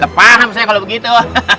lepas kalau begitu